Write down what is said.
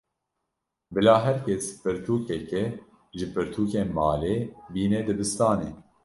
Bila her kes pirtûkekê ji pirtûkên malê bîne dibistanê.